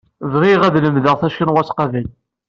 Bɣiɣ ad lemdeɣ tacinwat qabel.